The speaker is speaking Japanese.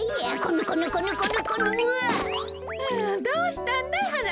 どうしたんだい？